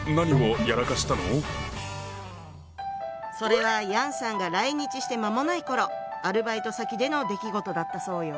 それは楊さんが来日して間もない頃アルバイト先での出来事だったそうよ。